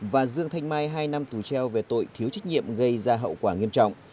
và dương thanh mai hai năm tù treo về tội thiếu trách nhiệm gây ra hậu quả nghiêm trọng